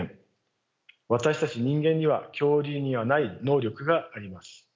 私たち人間には恐竜にはない能力があります。